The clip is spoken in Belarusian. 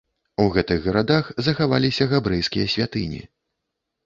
У гэтых гарадах захаваліся габрэйскія святыні.